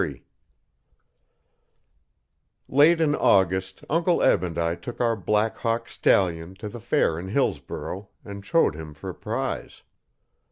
Chapter 23 Late in August Uncle Eb and I took our Black Hawk stallion to the fair in Hillsborough and showed him for a prize.